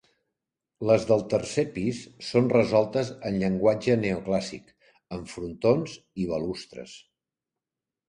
Les del tercer pis són resoltes en llenguatge neoclàssic, amb frontons i balustres.